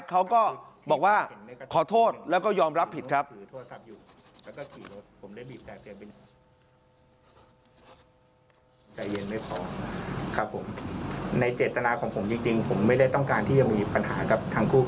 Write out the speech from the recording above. เขาก็บอกว่าขอโทษแล้วก็ยอมรับผิดครับ